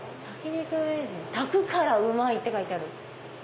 「炊くから旨い」って書いてある。